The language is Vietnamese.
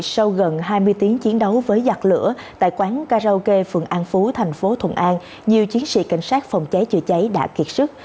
sau gần hai mươi tiếng chiến đấu với giặt lửa tại quán karaoke phường an phú thành phố thuận an nhiều chiến sĩ cảnh sát phòng cháy chữa cháy đã kiệt sức